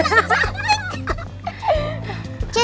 ah makin pinter